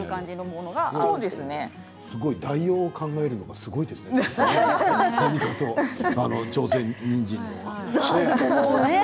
代用を考えるのがすごいですね、先生。